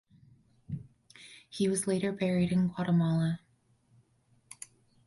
He was later buried in Guatemala.